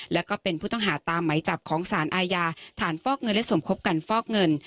แล้วก็เป็นผู้ต้องหาตามไหมจับของสารอาญาฐานฟอกเงินและสมคบกันฟอกเงิน